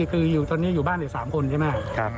ก็ติดแต่ตอนนี้อยู่บ้านอีก๓คนใช่ไหม